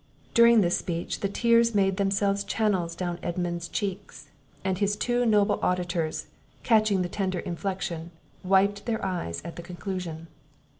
During this speech the tears made themselves channels down Edmund's cheeks; and his two noble auditors, catching the tender inflection, wiped their eyes at the conclusion.